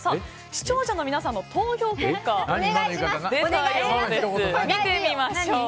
視聴者の皆さんの投票結果を見てみましょう。